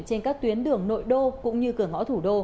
trên các tuyến đường nội đô cũng như cửa ngõ thủ đô